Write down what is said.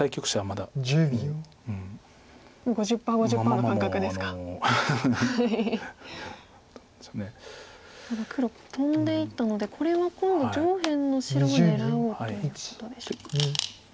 ただ黒トンでいったのでこれは今度上辺の白も狙おうということでしょうか。